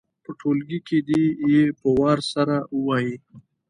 په ټولګي کې دې یې په وار سره ووايي.